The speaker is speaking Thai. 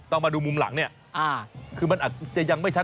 มาดูมุมหลังเนี่ยคือมันอาจจะยังไม่ชัด